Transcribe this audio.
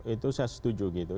itu saya setuju gitu